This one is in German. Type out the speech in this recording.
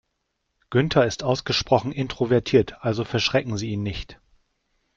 Günther ist ausgesprochen introvertiert, also verschrecken Sie ihn nicht.